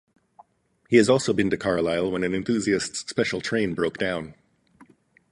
He has also been to Carlisle when an enthusiasts' special train broke down.